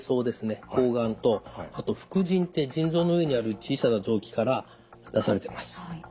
睾丸とあと副腎腎臓の上にある小さな臓器から出されてます。